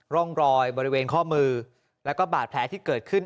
ร่องรอยบริเวณข้อมือแล้วก็บาดแผลที่เกิดขึ้น